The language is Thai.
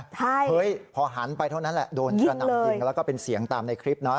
ใช่เฮ้ยพอหันไปเท่านั้นแหละยินเลยแล้วก็เป็นเสียงตามในคลิปน่ะ